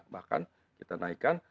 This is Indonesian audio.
bahkan kita naikkan